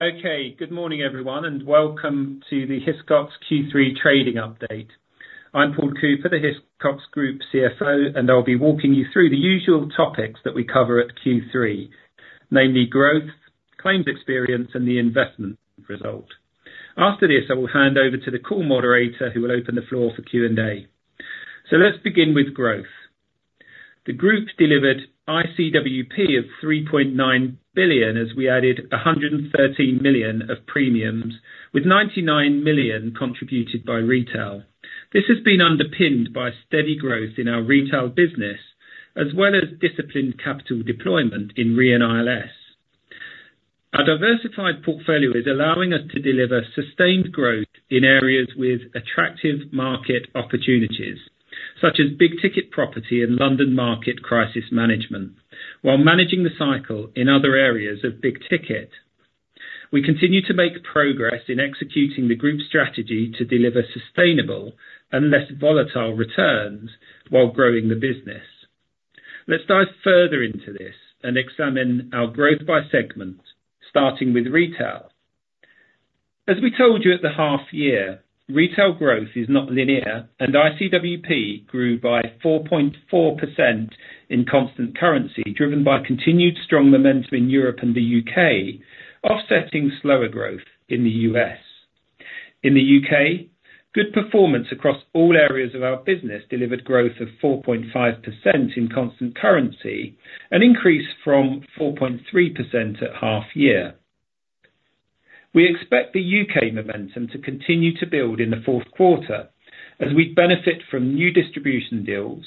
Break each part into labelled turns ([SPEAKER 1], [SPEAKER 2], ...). [SPEAKER 1] Okay, good morning everyone, and welcome to the Hiscox Q3 Trading Update. I'm Paul Cooper, the Hiscox Group CFO, and I'll be walking you through the usual topics that we cover at Q3, namely growth, claims experience, and the investment result. After this, I will hand over to the call moderator, who will open the floor for Q&A. So let's begin with growth. The group delivered ICWP of $3.9 billion as we added $113 million of premiums, with $99 million contributed by retail. This has been underpinned by steady growth in our retail business, as well as disciplined capital deployment in RE and ILS. Our diversified portfolio is allowing us to deliver sustained growth in areas with attractive market opportunities, such as big-ticket property and London market crisis management, while managing the cycle in other areas of big-ticket. We continue to make progress in executing the group strategy to deliver sustainable and less volatile returns while growing the business. Let's dive further into this and examine our growth by segment, starting with retail. As we told you at the half-year, retail growth is not linear, and ICWP grew by 4.4% in constant currency, driven by continued strong momentum in Europe and the UK, offsetting slower growth in the US. In the UK, good performance across all areas of our business delivered growth of 4.5% in constant currency, an increase from 4.3% at half-year. We expect the UK momentum to continue to build in the fourth quarter, as we benefit from new distribution deals,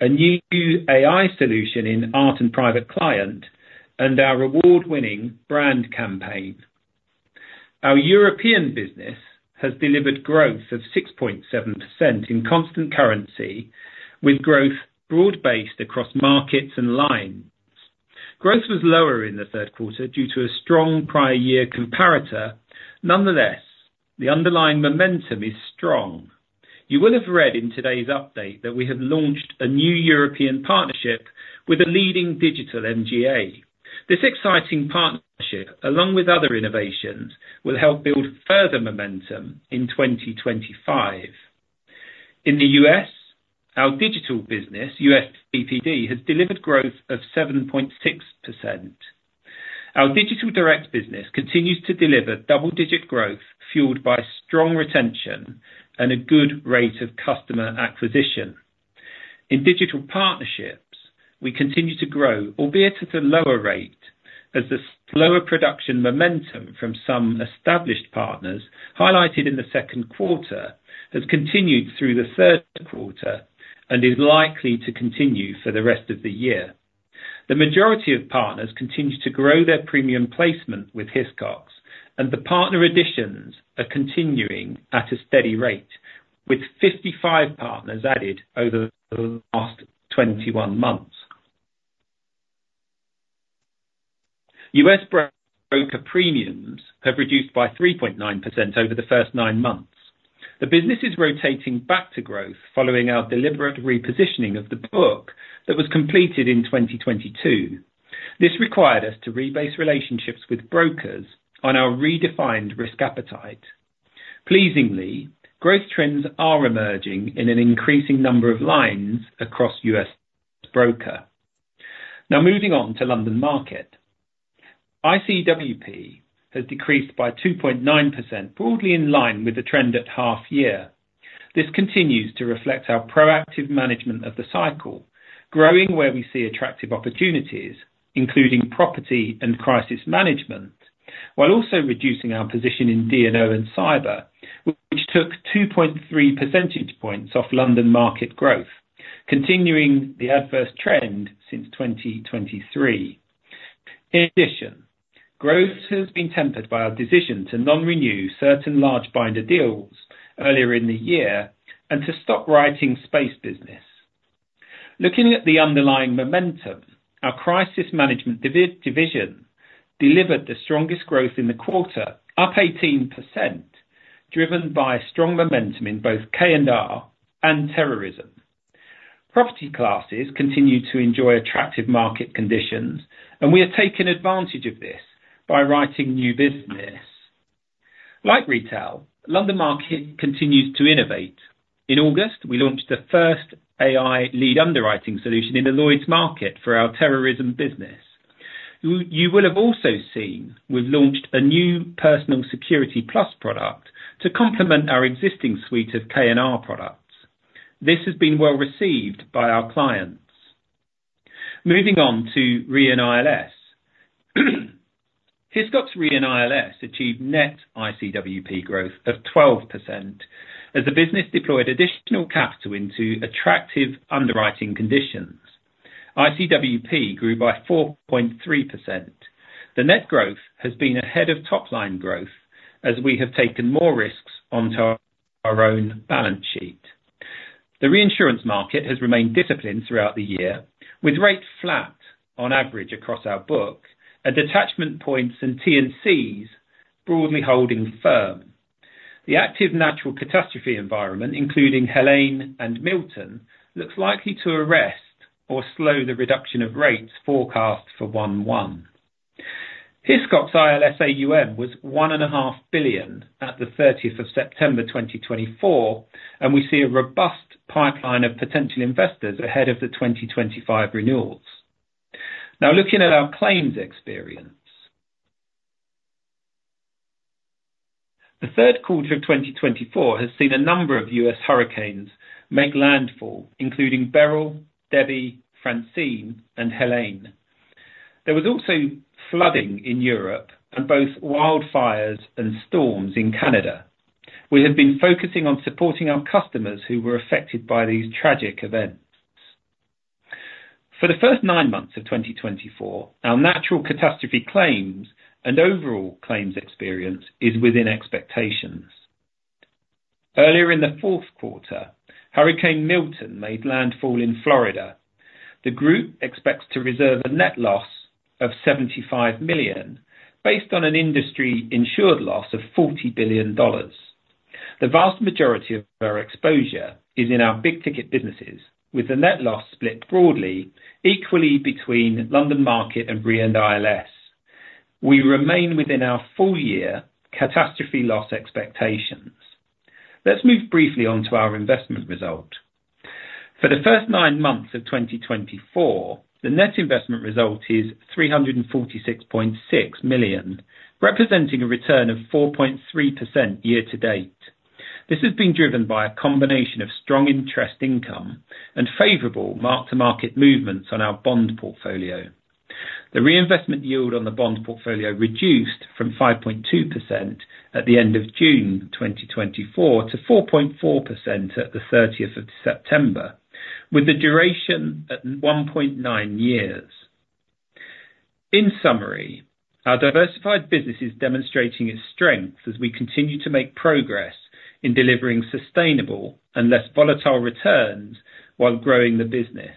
[SPEAKER 1] a new AI solution in art and private client, and our award-winning brand campaign. Our European business has delivered growth of 6.7% in constant currency, with growth broad-based across markets and lines. Growth was lower in the third quarter due to a strong prior-year comparator. Nonetheless, the underlying momentum is strong. You will have read in today's update that we have launched a new European partnership with a leading digital MGA. This exciting partnership, along with other innovations, will help build further momentum in 2025. In the U.S., our digital business, US DPD, has delivered growth of 7.6%. Our digital direct business continues to deliver double-digit growth, fueled by strong retention and a good rate of customer acquisition. In digital partnerships, we continue to grow, albeit at a lower rate, as the slower production momentum from some established partners, highlighted in the second quarter, has continued through the third quarter and is likely to continue for the rest of the year. The majority of partners continue to grow their premium placement with Hiscox, and the partner additions are continuing at a steady rate, with 55 partners added over the last 21 months. US Broker premiums have reduced by 3.9% over the first nine months. The business is rotating back to growth following our deliberate repositioning of the book that was completed in 2022. This required us to rebase relationships with brokers on our redefined risk appetite. Pleasingly, growth trends are emerging in an increasing number of lines across US Broker. Now, moving on to London Market, ICWP has decreased by 2.9%, broadly in line with the trend at half-year. This continues to reflect our proactive management of the cycle, growing where we see attractive opportunities, including property and crisis management, while also reducing our position in D&O and cyber, which took 2.3 percentage points off London market growth, continuing the adverse trend since 2023. In addition, growth has been tempered by our decision to non-renew certain large binder deals earlier in the year and to stop writing space business. Looking at the underlying momentum, our crisis management division delivered the strongest growth in the quarter, up 18%, driven by strong momentum in both K&R and terrorism. Property classes continue to enjoy attractive market conditions, and we have taken advantage of this by writing new business. Like retail, London market continues to innovate. In August, we launched the first AI-led underwriting solution in the Lloyd's market for our terrorism business. You will have also seen we've launched a new Personal Security Plus product to complement our existing suite of K&R products. This has been well received by our clients. Moving on to Re and ILS. Hiscox Re and ILS achieved net ICWP growth of 12% as the business deployed additional capital into attractive underwriting conditions. ICWP grew by 4.3%. The net growth has been ahead of top-line growth as we have taken more risks onto our own balance sheet. The reinsurance market has remained disciplined throughout the year, with rates flat on average across our book, and detachment points and T&Cs broadly holding firm. The active natural catastrophe environment, including Helene and Milton, looks likely to arrest or slow the reduction of rates forecast for Q1. Hiscox ILS AUM was $1.5 billion at the 30th of September 2024, and we see a robust pipeline of potential investors ahead of the 2025 renewals. Now, looking at our claims experience, the third quarter of 2024 has seen a number of U.S. hurricanes make landfall, including Beryl, Debby, Francine, and Helene. There was also flooding in Europe and both wildfires and storms in Canada. We have been focusing on supporting our customers who were affected by these tragic events. For the first nine months of 2024, our natural catastrophe claims and overall claims experience is within expectations. Earlier in the fourth quarter, Hurricane Milton made landfall in Florida. The group expects to reserve a net loss of $75 million, based on an industry insured loss of $40 billion. The vast majority of our exposure is in our big-ticket businesses, with the net loss split broadly equally between London Market and Re and ILS. We remain within our full-year catastrophe loss expectations. Let's move briefly on to our investment result. For the first nine months of 2024, the net investment result is $346.6 million, representing a return of 4.3% year to date. This has been driven by a combination of strong interest income and favorable mark-to-market movements on our bond portfolio. The reinvestment yield on the bond portfolio reduced from 5.2% at the end of June 2024 to 4.4% at the 30th of September, with the duration at 1.9 years. In summary, our diversified business is demonstrating its strength as we continue to make progress in delivering sustainable and less volatile returns while growing the business.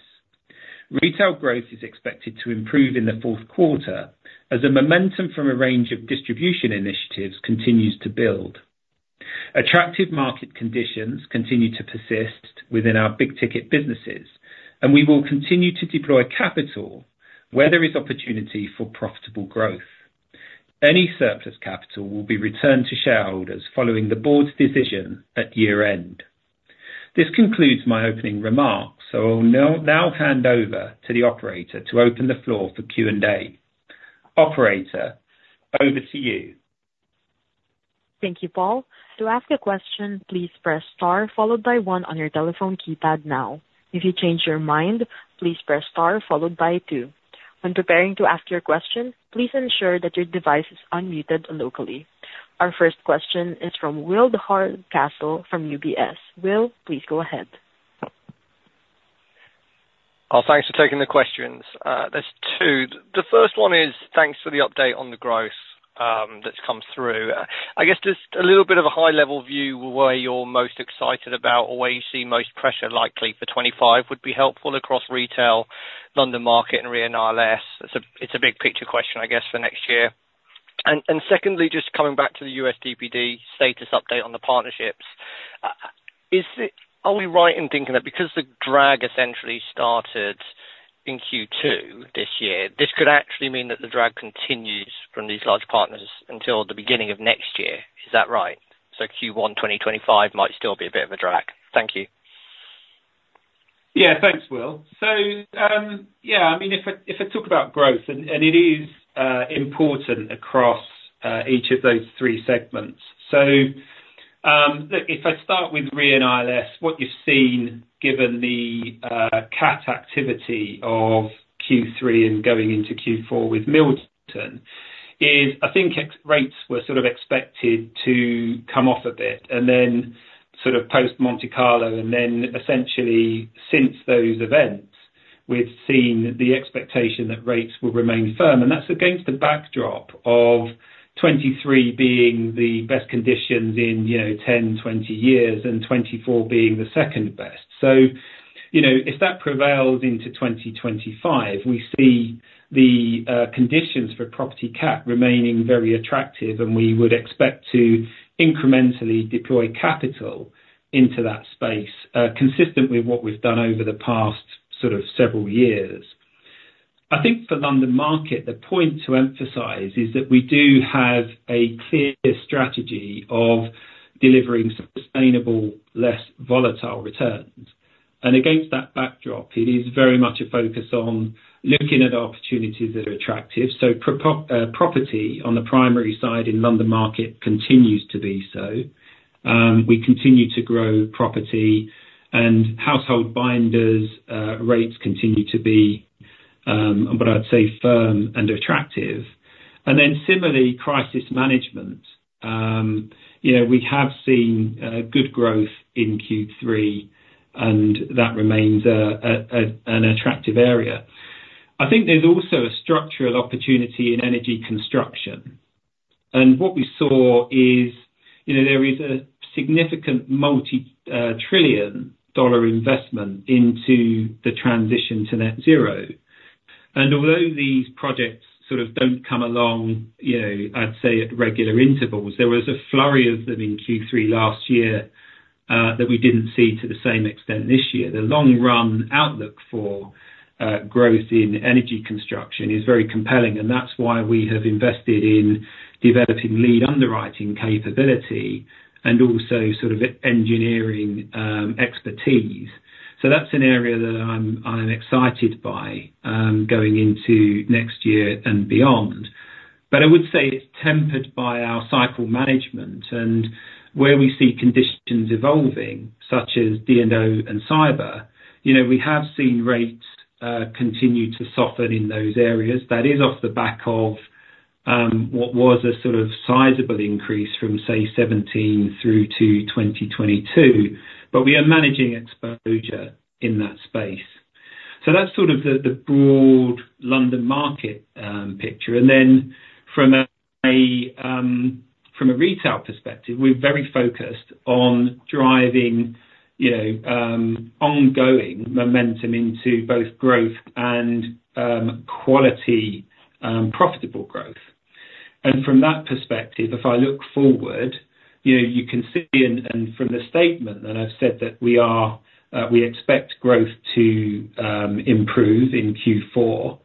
[SPEAKER 1] Retail growth is expected to improve in the fourth quarter as the momentum from a range of distribution initiatives continues to build. Attractive market conditions continue to persist within our big-ticket businesses, and we will continue to deploy capital where there is opportunity for profitable growth. Any surplus capital will be returned to shareholders following the board's decision at year-end. This concludes my opening remarks, so I'll now hand over to the operator to open the floor for Q&A. Operator, over to you.
[SPEAKER 2] Thank you, Paul. To ask a question, please press star followed by one on your telephone keypad now. If you change your mind, please press star followed by two. When preparing to ask your question, please ensure that your device is unmuted locally. Our first question is from Will Hardcastle from UBS. Will, please go ahead.
[SPEAKER 3] Oh, thanks for taking the questions. There's two. The first one is thanks for the update on the growth that's come through. I guess just a little bit of a high-level view of where you're most excited about or where you see most pressure likely for Q2 would be helpful across Retail, London Market, and Re and ILS. It's a big-picture question, I guess, for next year. And secondly, just coming back to the USDPD status update on the partnerships, are we right in thinking that because the drag essentially started in Q2 this year, this could actually mean that the drag continues from these large partners until the beginning of next year? Is that right? So Q1 2025 might still be a bit of a drag. Thank you.
[SPEAKER 1] Yeah, thanks, Will. So yeah, I mean, if I talk about growth, and it is important across each of those three segments. So look, if I start with Re and ILS, what you've seen, given the cat activity of Q3 and going into Q4 with Milton, is I think rates were sort of expected to come off a bit, and then sort of post-Monte Carlo, and then essentially since those events, we've seen the expectation that rates will remain firm. And that's against the backdrop of Q2 being the best conditions in 10, 20 years, and Q2 being the second best. So if that prevails into 2025, we see the conditions for property cat remaining very attractive, and we would expect to incrementally deploy capital into that space, consistent with what we've done over the past sort of several years. I think for London Market, the point to emphasize is that we do have a clear strategy of delivering sustainable, less volatile returns. And against that backdrop, it is very much a focus on looking at opportunities that are attractive. So property on the primary side in London Market continues to be so. We continue to grow property, and household binders rates continue to be, what I'd say, firm and attractive. And then similarly, crisis management, we have seen good growth in Q3, and that remains an attractive area. I think there's also a structural opportunity in energy construction. And what we saw is there is a significant multi-trillion-dollar investment into the transition to net zero. Although these projects sort of don't come along, I'd say, at regular intervals, there was a flurry of them in Q3 last year that we didn't see to the same extent this year. The long-run outlook for growth in energy construction is very compelling, and that's why we have invested in developing lead underwriting capability and also sort of engineering expertise. That's an area that I'm excited by going into next year and beyond. I would say it's tempered by our cycle management and where we see conditions evolving, such as D&O and cyber. We have seen rates continue to soften in those areas. That is off the back of what was a sort of sizable increase from, say, 2017 through to 2022, but we are managing exposure in that space. That's sort of the broad London Market picture. And then from a retail perspective, we're very focused on driving ongoing momentum into both growth and quality, profitable growth. And from that perspective, if I look forward, you can see from the statement that I've said that we expect growth to improve in Q4.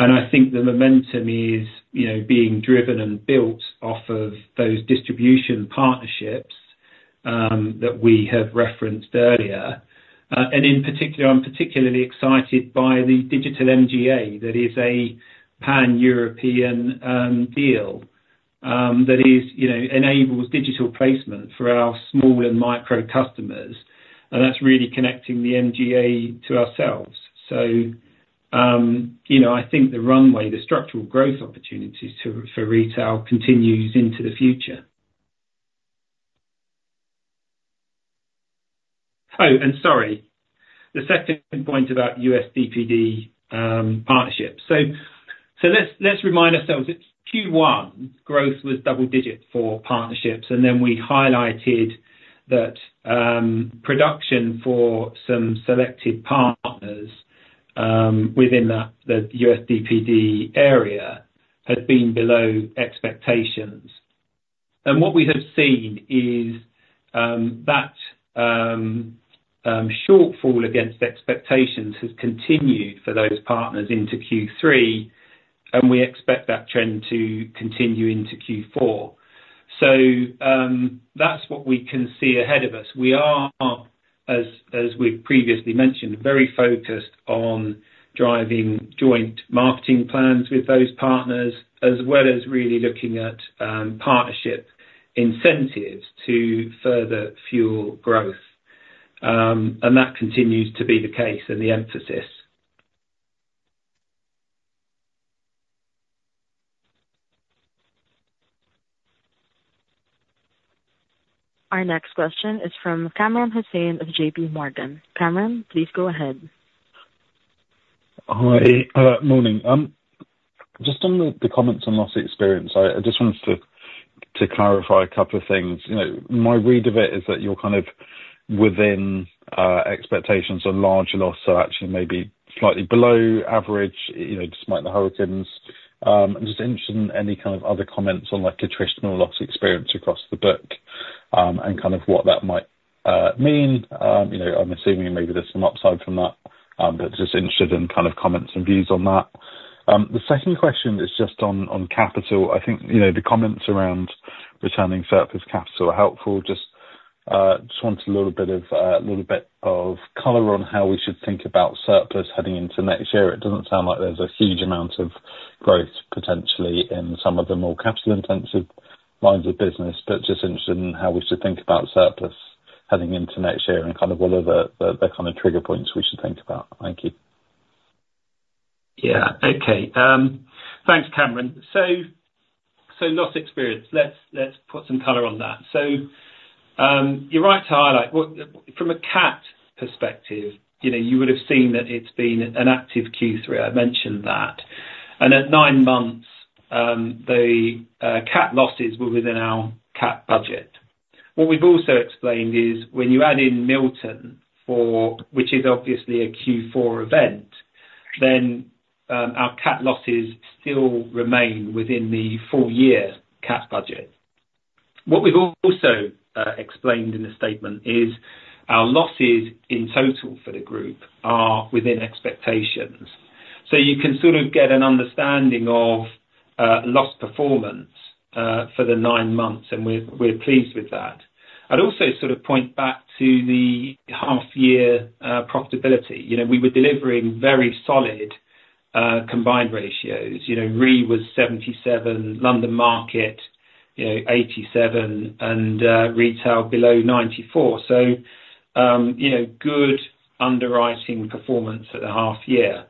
[SPEAKER 1] And I think the momentum is being driven and built off of those distribution partnerships that we have referenced earlier. And in particular, I'm particularly excited by the digital MGA that is a pan-European deal that enables digital placement for our small and micro customers. And that's really connecting the MGA to ourselves. So I think the runway, the structural growth opportunities for retail continues into the future. Oh, and sorry, the second point about USDPD partnerships. So let's remind ourselves, Q1, growth was double-digit for partnerships, and then we highlighted that production for some selected partners within the USDPD area has been below expectations. And what we have seen is that shortfall against expectations has continued for those partners into Q3, and we expect that trend to continue into Q4. So that's what we can see ahead of us. We are, as we've previously mentioned, very focused on driving joint marketing plans with those partners, as well as really looking at partnership incentives to further fuel growth. And that continues to be the case and the emphasis.
[SPEAKER 2] Our next question is from Kamran Hossain of JPMorgan. Kamran, please go ahead.
[SPEAKER 4] Hi, morning. Just on the comments on loss experience, I just wanted to clarify a couple of things. My read of it is that you're kind of within expectations on large loss, so actually maybe slightly below average, despite the hurricanes. I'm just interested in any kind of other comments on the traditional loss experience across the book and kind of what that might mean. I'm assuming maybe there's some upside from that, but just interested in kind of comments and views on that. The second question is just on capital. I think the comments around returning surplus capital are helpful. Just wanted a little bit of color on how we should think about surplus heading into next year. It doesn't sound like there's a huge amount of growth potentially in some of the more capital-intensive lines of business, but just interested in how we should think about surplus heading into next year and kind of what are the kind of trigger points we should think about? Thank you.
[SPEAKER 1] Yeah. Okay. Thanks, Cameron. So loss experience, let's put some color on that. So you're right to highlight, from a cat perspective, you would have seen that it's been an active Q3. I mentioned that. And at nine months, the cat losses were within our cat budget. What we've also explained is when you add in Milton, which is obviously a Q4 event, then our cat losses still remain within the full-year cat budget. What we've also explained in the statement is our losses in total for the group are within expectations. So you can sort of get an understanding of loss experience for the nine months, and we're pleased with that. I'd also sort of point back to the half-year profitability. We were delivering very solid combined ratios. Re was 77, London market 87, and retail below 94. So good underwriting performance at the half-year.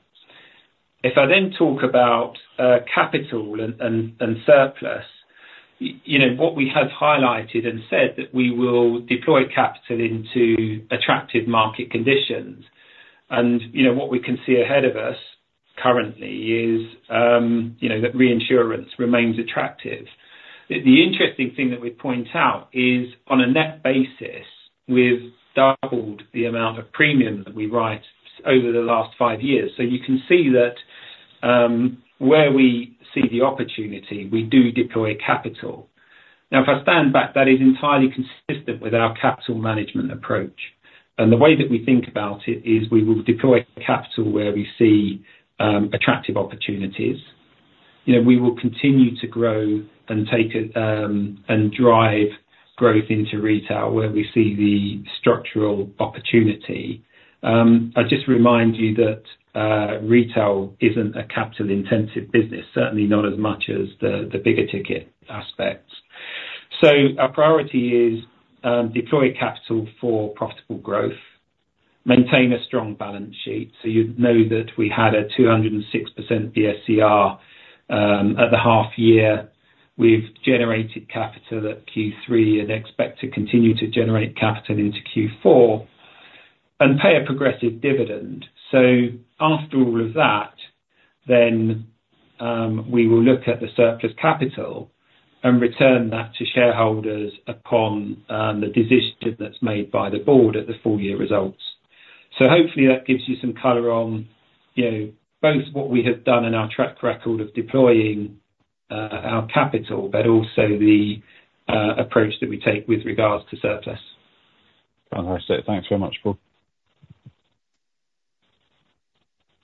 [SPEAKER 1] If I then talk about capital and surplus, what we have highlighted and said that we will deploy capital into attractive market conditions. And what we can see ahead of us currently is that reinsurance remains attractive. The interesting thing that we point out is, on a net basis, we've doubled the amount of premium that we write over the last five years. So you can see that where we see the opportunity, we do deploy capital. Now, if I stand back, that is entirely consistent with our capital management approach. And the way that we think about it is we will deploy capital where we see attractive opportunities. We will continue to grow and drive growth into retail where we see the structural opportunity. I just remind you that retail isn't a capital-intensive business, certainly not as much as the bigger-ticket aspects. Our priority is deploy capital for profitable growth, maintain a strong balance sheet. You know that we had a 206% BSCR at the half-year. We've generated capital at Q3 and expect to continue to generate capital into Q4 and pay a progressive dividend. After all of that, then we will look at the surplus capital and return that to shareholders upon the decision that's made by the board at the full-year results. Hopefully, that gives you some color on both what we have done and our track record of deploying our capital, but also the approach that we take with regards to surplus.
[SPEAKER 4] Fantastic. Thanks very much, Paul.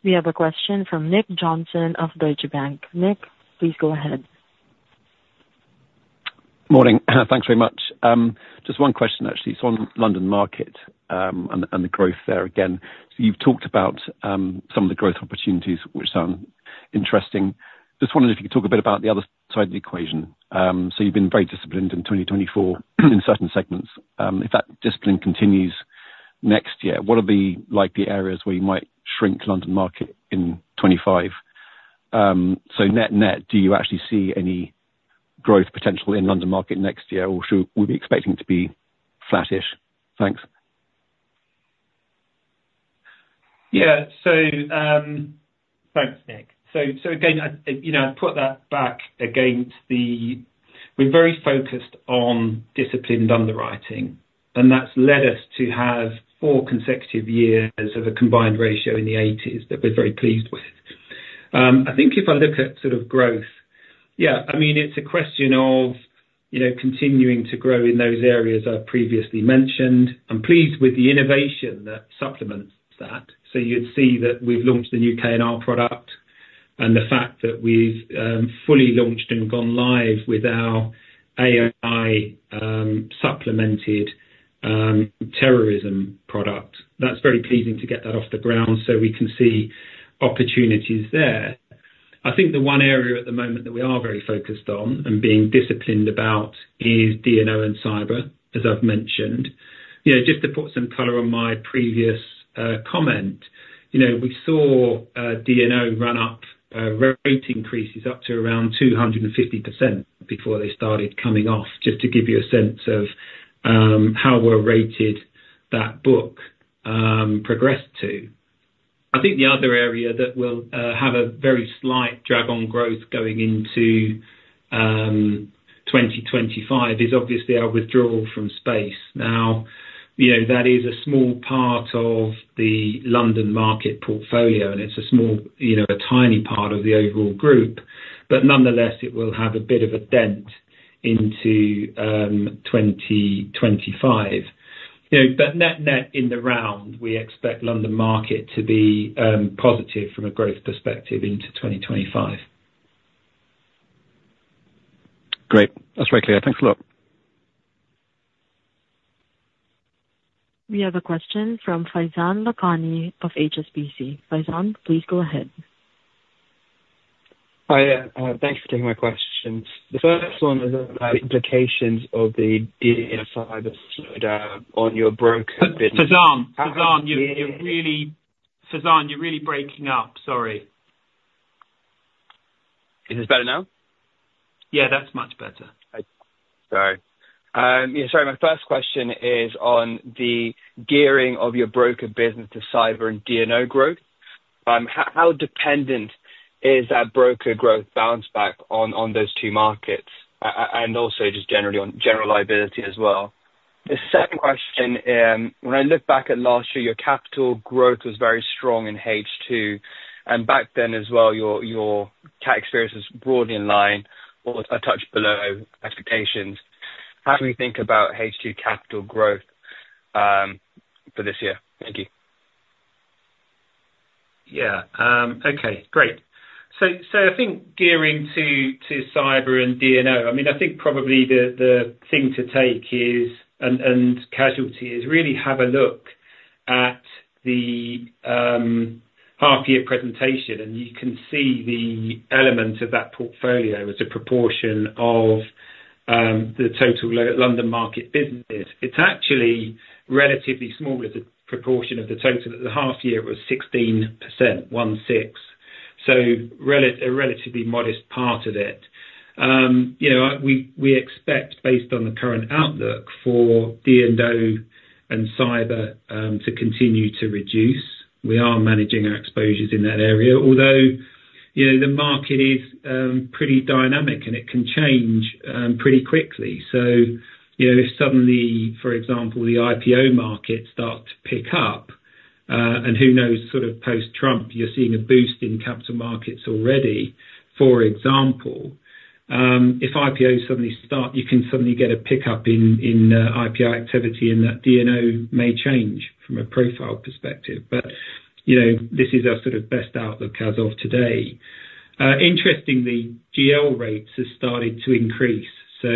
[SPEAKER 2] We have a question from Nick Johnson of Deutsche Bank. Nick, please go ahead.
[SPEAKER 5] Morning. Thanks very much. Just one question, actually. It's on London Market and the growth there again. So you've talked about some of the growth opportunities, which sound interesting. Just wondering if you could talk a bit about the other side of the equation. So you've been very disciplined in 2024 in certain segments. If that discipline continues next year, what are the likely areas where you might shrink London Market in 2025? So net net, do you actually see any growth potential in London Market next year, or should we be expecting it to be flattish? Thanks.
[SPEAKER 1] Yeah. So thanks, Nick. So again, I put that back to the fact that we're very focused on disciplined underwriting, and that's led us to have four consecutive years of a combined ratio in the '80s that we're very pleased with. I think if I look at sort of growth, yeah, I mean, it's a question of continuing to grow in those areas I've previously mentioned. I'm pleased with the innovation that supplements that. So you'd see that we've launched the new K&R product and the fact that we've fully launched and gone live with our AI-supplemented terrorism product. That's very pleasing to get that off the ground so we can see opportunities there. I think the one area at the moment that we are very focused on and being disciplined about is D&O and cyber, as I've mentioned. Just to put some color on my previous comment, we saw D&O run up rate increases up to around 250% before they started coming off, just to give you a sense of how well-rated that book progressed to. I think the other area that will have a very slight drag on growth going into 2025 is obviously our withdrawal from space. Now, that is a small part of the London Market portfolio, and it's a tiny part of the overall group, but nonetheless, it will have a bit of a dent into 2025. But net net in the round, we expect London Market to be positive from a growth perspective into 2025.
[SPEAKER 5] Great. That's very clear. Thanks a lot.
[SPEAKER 2] We have a question from Faizan Lakhani of HSBC. Faizan, please go ahead.
[SPEAKER 6] Hi. Thanks for taking my questions. The first one is about the implications of the D&O cyber slowdown on your broker business.
[SPEAKER 1] Faizan, Faizan, you're really breaking up. Sorry.
[SPEAKER 6] Is this better now?
[SPEAKER 1] Yeah, that's much better.
[SPEAKER 6] Sorry, my first question is on the gearing of your broker business to cyber and D&O growth. How dependent is that broker growth bounce back on those two markets? And also just generally on general liability as well. The second question, when I look back at last year, your capital growth was very strong in H2. And back then as well, your cat experience was broadly in line or a touch below expectations. How do we think about H2 capital growth for this year? Thank you.
[SPEAKER 1] Yeah. Okay. Great. So I think, going to cyber and D&O, I mean, I think probably the thing to take is really have a look at the half-year presentation, and you can see the element of that portfolio as a proportion of the total London Market business. It's actually relatively small as a proportion of the total. The half-year was 16%, 16%. So a relatively modest part of it. We expect, based on the current outlook, for D&O and cyber to continue to reduce. We are managing our exposures in that area, although the market is pretty dynamic and it can change pretty quickly. So if suddenly, for example, the IPO markets start to pick up, and who knows, sort of post-Trump, you're seeing a boost in capital markets already, for example, if IPOs suddenly start, you can suddenly get a pickup in IPO activity and that D&O may change from a profile perspective. But this is our sort of best outlook as of today. Interestingly, GL rates have started to increase. So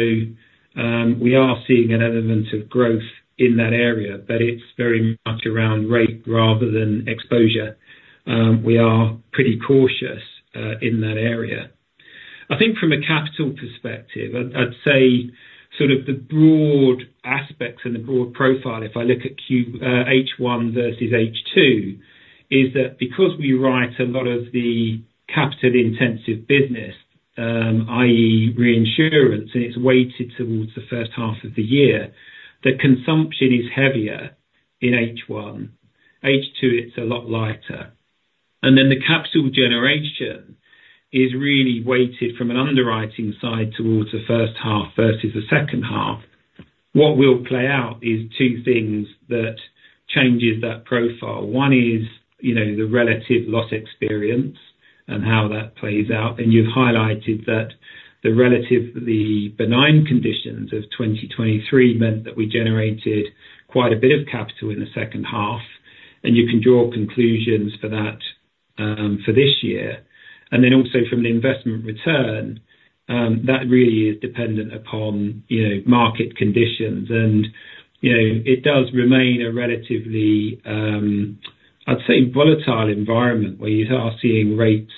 [SPEAKER 1] we are seeing an element of growth in that area, but it's very much around rate rather than exposure. We are pretty cautious in that area. I think from a capital perspective, I'd say sort of the broad aspects and the broad profile, if I look at H1 versus H2, is that because we write a lot of the capital-intensive business, i.e., reinsurance, and it's weighted towards the first half of the year, the consumption is heavier in H1. H2, it's a lot lighter. And then the capital generation is really weighted from an underwriting side towards the first half versus the second half. What will play out is two things that change that profile. One is the relative loss experience and how that plays out. And you've highlighted that the benign conditions of 2023 meant that we generated quite a bit of capital in the second half, and you can draw conclusions for that for this year. And then also from the investment return, that really is dependent upon market conditions. And it does remain a relatively, I'd say, volatile environment where you are seeing rates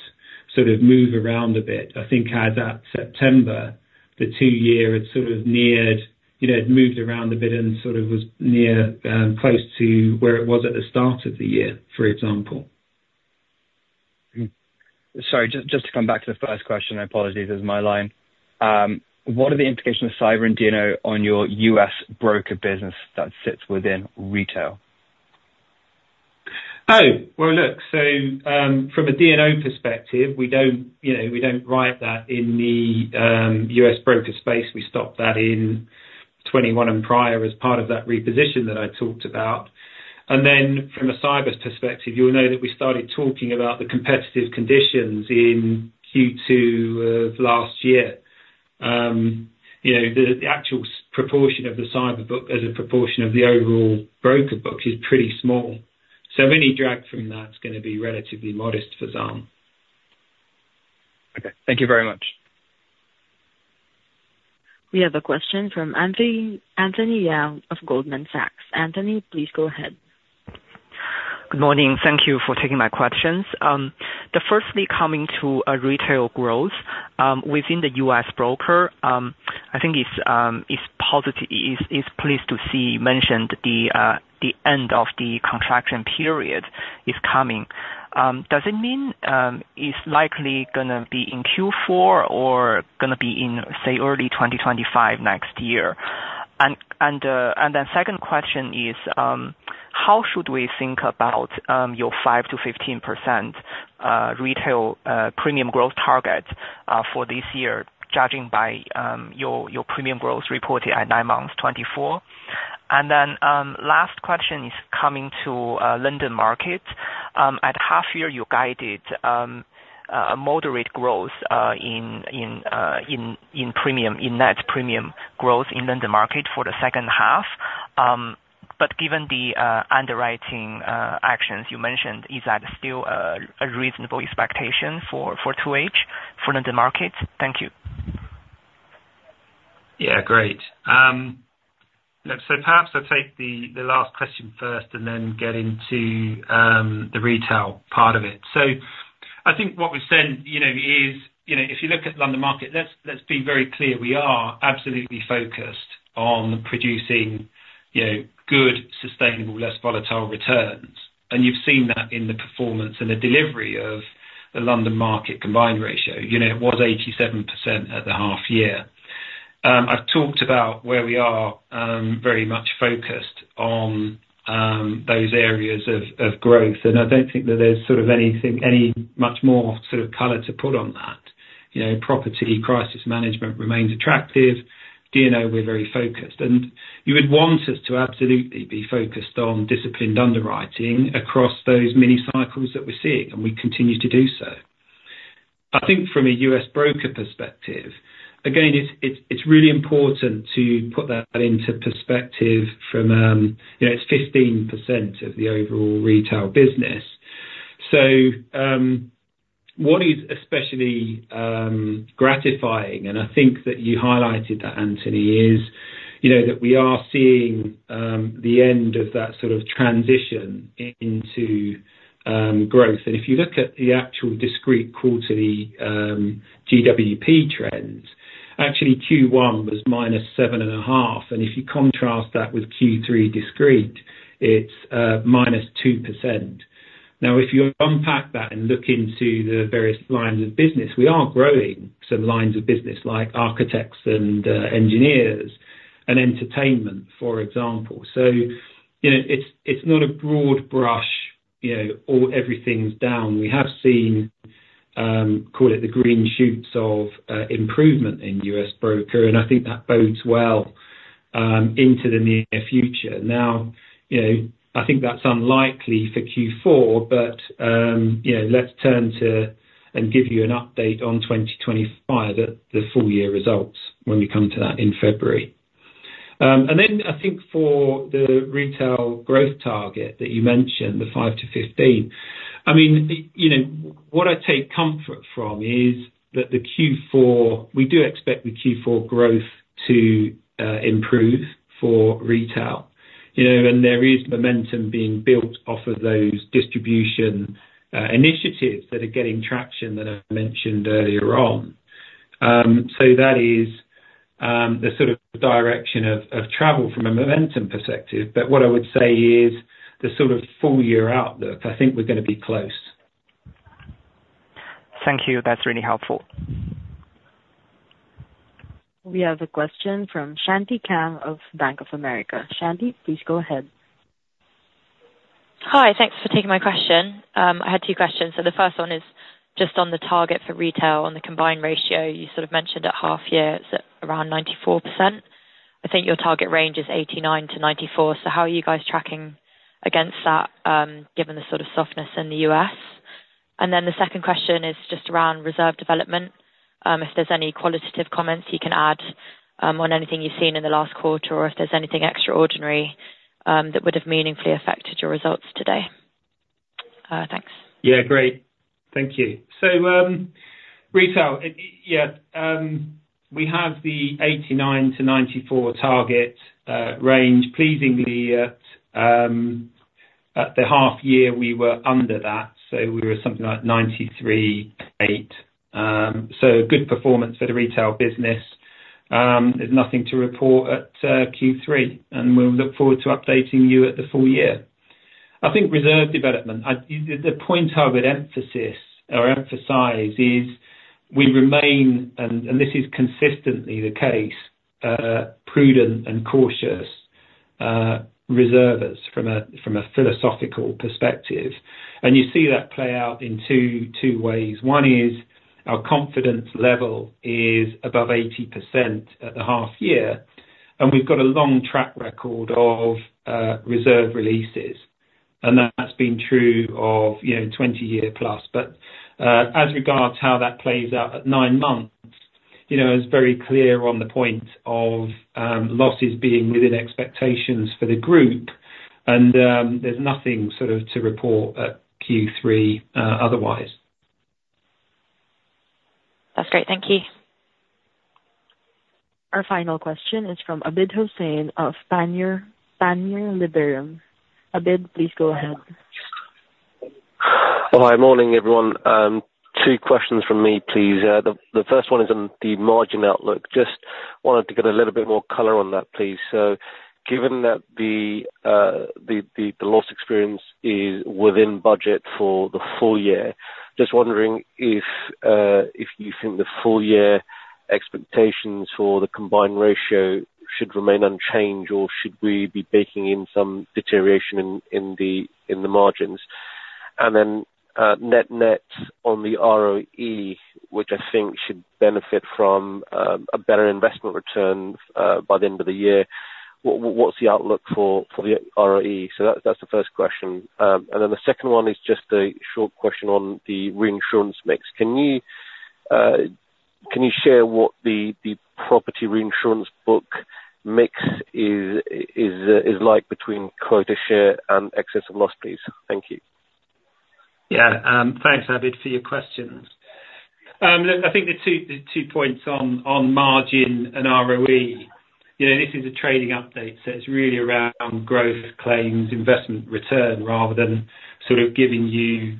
[SPEAKER 1] sort of move around a bit. I think as at September, the two-year, it sort of neared it moved around a bit and sort of was close to where it was at the start of the year, for example.
[SPEAKER 6] Sorry, just to come back to the first question, apologies. This is my line. What are the implications of cyber and D&O on your US broker business that sits within retail?
[SPEAKER 1] Oh, well, look, so from a D&O perspective, we don't write that in the U.S. broker space. We stopped that in 2021 and prior as part of that reposition that I talked about. And then from a cyber perspective, you'll know that we started talking about the competitive conditions in Q2 of last year. The actual proportion of the cyber book as a proportion of the overall broker book is pretty small. So any drag from that's going to be relatively modest, Faizan.
[SPEAKER 6] Okay. Thank you very much.
[SPEAKER 2] We have a question from Anthony Yeung of Goldman Sachs. Anthony, please go ahead.
[SPEAKER 7] Good morning. Thank you for taking my questions. The firstly coming to retail growth within the U.S. broker, I think it's pleased to see mentioned the end of the contraction period is coming. Does it mean it's likely going to be in Q4 or going to be in, say, early 2025 next year? And then second question is, how should we think about your 5%-15% retail premium growth target for this year, judging by your premium growth reported at nine months, 2024? And then last question is coming to London Market. At half-year, you guided a moderate growth in net premium growth in London Market for the second half. But given the underwriting actions you mentioned, is that still a reasonable expectation for 2H for London Market? Thank you.
[SPEAKER 1] Yeah, great. Look, so perhaps I'll take the last question first and then get into the retail part of it. So I think what we've said is, if you look at London Market, let's be very clear. We are absolutely focused on producing good, sustainable, less volatile returns. And you've seen that in the performance and the delivery of the London Market combined ratio. It was 87% at the half-year. I've talked about where we are very much focused on those areas of growth. And I don't think that there's sort of any much more sort of color to put on that. Property crisis management remains attractive. D&O, we're very focused. And you would want us to absolutely be focused on disciplined underwriting across those mini cycles that we're seeing, and we continue to do so. I think from a US broker perspective, again, it's really important to put that into perspective that it's 15% of the overall retail business, so what is especially gratifying, and I think that you highlighted that, Anthony, is that we are seeing the end of that sort of transition into growth, and if you look at the actual discrete quarterly GWP trends, actually Q1 was minus 7.5%, and if you contrast that with Q3 discrete, it's minus 2%. Now, if you unpack that and look into the various lines of business, we are growing some lines of business like architects and engineers and entertainment, for example, so it's not a broad brush or everything's down. We have seen, call it the green shoots of improvement in US broker, and I think that bodes well into the near future. Now, I think that's unlikely for Q4, but let's turn to and give you an update on 2025, the full year results when we come to that in February, and then I think for the retail growth target that you mentioned, the 5 to 15, I mean, what I take comfort from is that we do expect the Q4 growth to improve for retail. And there is momentum being built off of those distribution initiatives that are getting traction that I mentioned earlier on, so that is the sort of direction of travel from a momentum perspective. But what I would say is the sort of full year outlook, I think we're going to be close.
[SPEAKER 7] Thank you. That's really helpful.
[SPEAKER 2] We have a question from Shanti Kang of Bank of America. Shanti, please go ahead.
[SPEAKER 8] Hi. Thanks for taking my question. I had two questions. So the first one is just on the target for retail on the combined ratio. You sort of mentioned at half-year, it's around 94%. I think your target range is 89%-94%. So how are you guys tracking against that given the sort of softness in the U.S.? And then the second question is just around reserve development. If there's any qualitative comments you can add on anything you've seen in the last quarter or if there's anything extraordinary that would have meaningfully affected your results today? Thanks.
[SPEAKER 1] Yeah, great. Thank you. So retail, yeah, we have the 89%-94% target range. Pleasingly, at the half-year, we were under that. So we were something like 93.8%. So good performance for the retail business. There's nothing to report at Q3, and we'll look forward to updating you at the full year. I think reserve development, the point I would emphasize is we remain, and this is consistently the case, prudent and cautious reservers from a philosophical perspective. And you see that play out in two ways. One is our confidence level is above 80% at the half-year, and we've got a long track record of reserve releases. And that's been true of 20-year-plus. But as regards how that plays out at nine months, it's very clear on the point of losses being within expectations for the group. And there's nothing sort of to report at Q3 otherwise.
[SPEAKER 8] That's great. Thank you.
[SPEAKER 2] Our final question is from Abid Hussain of Panmure Liberum. Abid, please go ahead.
[SPEAKER 9] Hi, morning, everyone. Two questions from me, please. The first one is on the margin outlook. Just wanted to get a little bit more color on that, please. So given that the loss experience is within budget for the full year, just wondering if you think the full-year expectations for the combined ratio should remain unchanged or should we be baking in some deterioration in the margins? And then net-nets on the ROE, which I think should benefit from a better investment return by the end of the year. What's the outlook for the ROE? So that's the first question. And then the second one is just a short question on the reinsurance mix. Can you share what the property reinsurance book mix is like between quota share and excess of loss, please? Thank you.
[SPEAKER 1] Yeah. Thanks, Abid, for your questions. Look, I think the two points on margin and ROE, this is a trading update. So it's really around growth claims, investment return rather than sort of giving you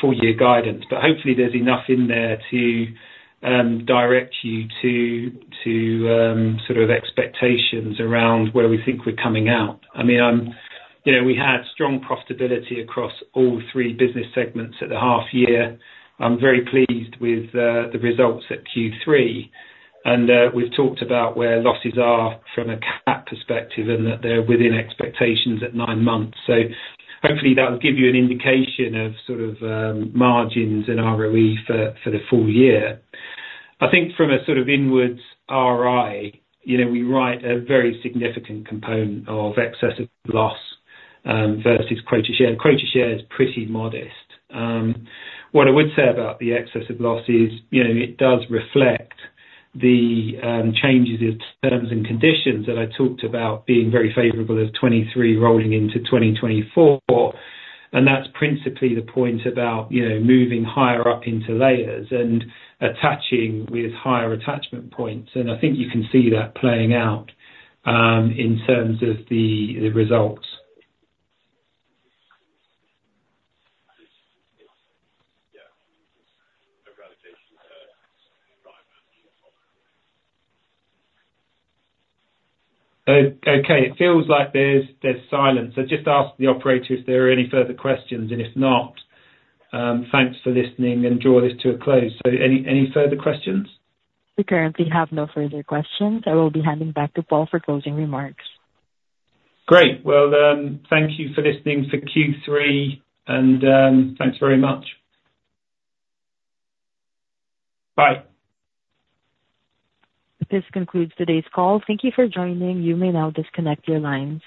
[SPEAKER 1] full-year guidance. But hopefully, there's enough in there to direct you to sort of expectations around where we think we're coming out. I mean, we had strong profitability across all three business segments at the half-year. I'm very pleased with the results at Q3. And we've talked about where losses are from a cat perspective and that they're within expectations at nine months. So hopefully, that will give you an indication of sort of margins and ROE for the full year. I think from a sort of inwards ROI, we write a very significant component of excess of loss versus quota share. Quota share is pretty modest. What I would say about the excess of loss is it does reflect the changes in terms and conditions that I talked about being very favorable as 2023 rolling into 2024. And that's principally the point about moving higher up into layers and attaching with higher attachment points. And I think you can see that playing out in terms of the results. Okay. It feels like there's silence. So just ask the operator if there are any further questions. And if not, thanks for listening and draw this to a close. So any further questions?
[SPEAKER 2] We currently have no further questions. I will be handing back to Paul for closing remarks.
[SPEAKER 1] Great. Well, thank you for listening for Q3, and thanks very much. Bye.
[SPEAKER 2] This concludes today's call. Thank you for joining. You may now disconnect your lines.